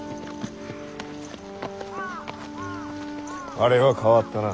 あれは変わったな。